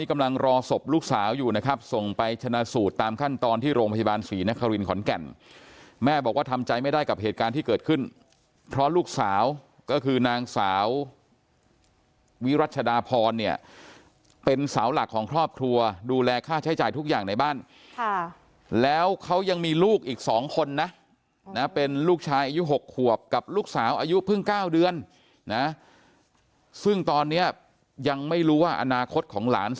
มาสูดตามขั้นตอนที่โรงพยาบาล๔นครินทร์ขอนแก่นแม่บอกว่าทำใจไม่ได้กับเหตุการณ์ที่เกิดขึ้นเพราะลูกสาวก็คือนางสาววิรัชดาพรเนี่ยเป็นสาวหลักของครอบครัวดูแลค่าใช้จ่ายทุกอย่างในบ้านแล้วเขายังมีลูกอีก๒คนนะเป็นลูกชายอายุ๖ขวบกับลูกสาวอายุเพิ่ง๙เดือนซึ่งตอนนี้ยังไม่รู้ว่านาคตข